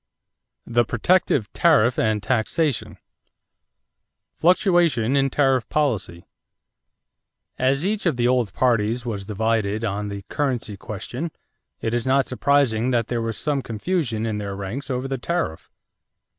THE PROTECTIVE TARIFF AND TAXATION =Fluctuation in Tariff Policy.= As each of the old parties was divided on the currency question, it is not surprising that there was some confusion in their ranks over the tariff.